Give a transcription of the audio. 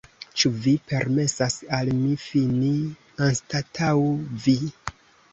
Ĉu vi permesas al mi fini anstataŭ vi?